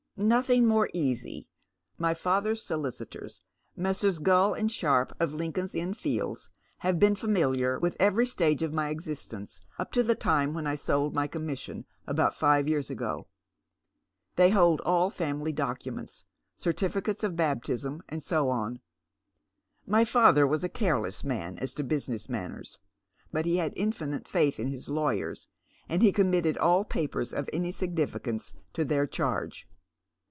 " Nothing more easy. My fathers solicitors, Messrs. Gull and Sharpe, of Lincoln's Inn Fields, have been familiar with every stage of my existence up to the time when I sold my commission, about five years ago. They hold all family documents — certifi rates of baptism, and so on. My father was a careless man as to business matters, but he had infinite faith in his lawyers, and he committed all papers of any significance into their c/iarge."